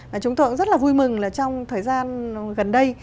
và chúng tôi cũng rất là vui mừng là trong thời gian gần đây